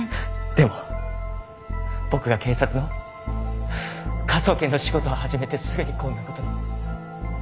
でも僕が警察の科捜研の仕事を始めてすぐにこんな事に。